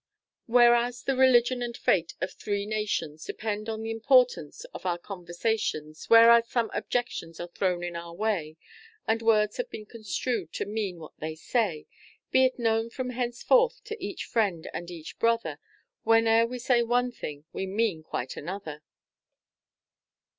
"Whereas the religion and fate of three nations Depend on th' importance of our conversations: Whereas some objections are thrown in our way, And words have been construed to mean what they say, Be it known from henceforth to each friend and each brother, When'er we say one thing we mean quite another."